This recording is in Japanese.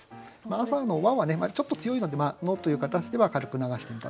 朝の「は」はちょっと強いので「の」という形で軽く流してみたということです。